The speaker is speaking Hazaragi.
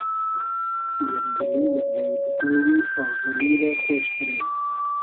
یئگ دیلی ، یئگ جݷ بودۉ و آغیلی رۂ خۉش دیرې